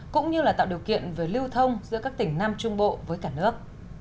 cũng như là tạo điều kiện về lưu thông giữa các tỉnh nam trung bộ với cả nước